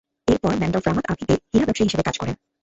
এরপর Mandorf Ramat আভিভে হীরা ব্যবসায়ী হিসেবে কাজ করেন।